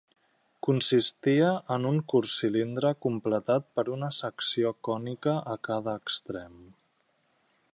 Consistia en un curt cilindre completat per una secció cònica a cada extrem.